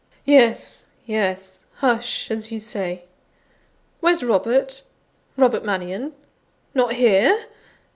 "Yes, yes; hush, as you say. Where's Robert? Robert Mannion? Not here!